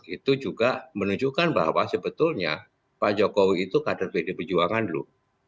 itu juga menunjukkan bahwa sebetulnya pak jokowi itu kader pdi perjuangan loh